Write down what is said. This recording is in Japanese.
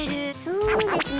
そうですね。